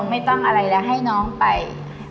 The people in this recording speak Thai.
ไม่ต้องอะไรแล้วให้น้องไป